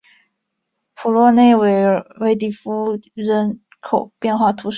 普洛内韦迪福人口变化图示